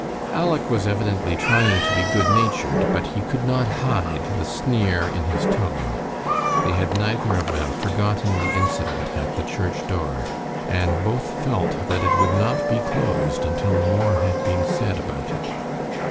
Aleck was evidently trying to be good natured, but he could not hide the sneer in his tone. They had neither of them forgotten the incident at the church door, and both felt that it would not be closed until more had been said about it.